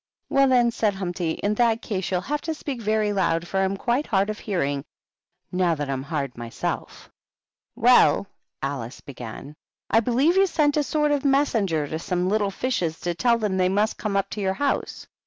"Well, then," said Humpty, "in that case you'll have to speak very loud, for I am quite hard of hearing, now that I'm hard myself." "Well," Alice began, "I believe you sent a sort of messenger to some little fishes, to tell them they must come up to your house.